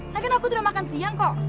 lagian aku tuh udah makan siang kok